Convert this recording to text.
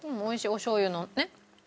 おしょう油のね。